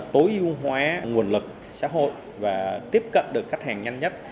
tối ưu hóa nguồn lực xã hội và tiếp cận được khách hàng nhanh nhất